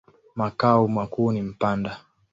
Makao makuu ni Mpanda.